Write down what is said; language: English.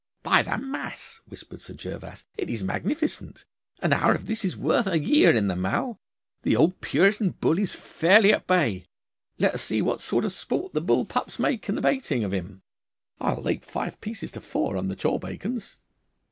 'By the Mass!' whispered Sir Gervas, 'it is magnificent! An hour of this is worth a year in the Mall. The old Puritan bull is fairly at bay. Let us see what sort of sport the bull pups make in the baiting of him! I'll lay five pieces to four on the chaw bacons!